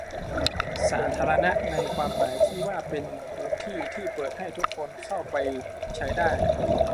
สาธารณะในความหมายที่ว่าเป็นพื้นที่ที่เปิดให้คนทุกคนเข้าไปใช้ได้